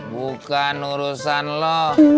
bukan urusan lo